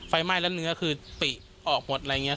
ไฟไหม้แล้วเนื้อคือปีออกหมดอะไรอย่างนี้